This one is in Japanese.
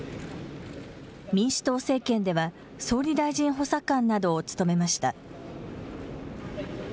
民主党政権では、総理大臣補佐官などを務めました。